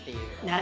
何？